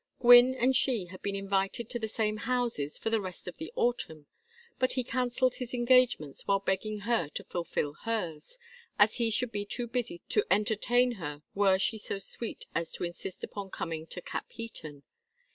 Gwynne and she had been invited to the same houses for the rest of the autumn, but he cancelled his engagements while begging her to fulfil hers, as he should be too busy to entertain her were she so sweet as to insist upon coming to Capheaton.